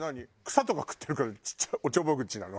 草とか食ってるからおちょぼ口なの？